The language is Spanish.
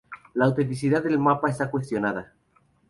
La autenticidad del mapa está cuestionada.